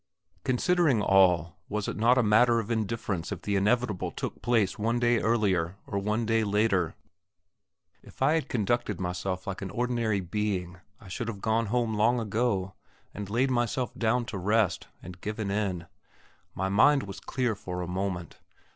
Considering all, was it not a matter of indifference if the inevitable took place one day earlier or one day later? If I had conducted myself like an ordinary being I should have gone home long ago, and laid myself down to rest, and given in. My mind was clear for a moment.